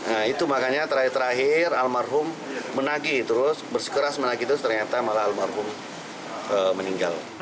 nah itu makanya terakhir terakhir almarhum menagih terus bersekeras menagih terus ternyata almarhum meninggal